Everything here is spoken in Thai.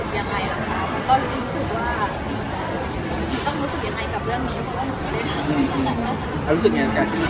การให้คนเข้าใจผิดหรือมีคนจะได้ไม่เข้าใจผิด